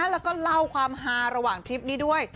แล้วก็เล่าความฮาระหว่างทริปนี้ด้วย